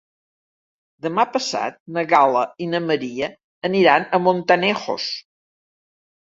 Demà passat na Gal·la i na Maria aniran a Montanejos.